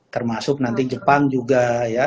termasuk nanti jepang juga